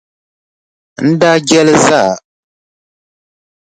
N daa je li zaa!